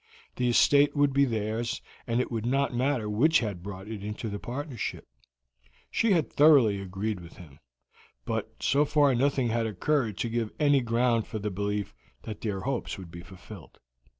The estate would be theirs, and it would not matter which had brought it into the partnership; she had thoroughly agreed with him, but so far nothing had occurred to give any ground for the belief that their hopes would be fulfilled.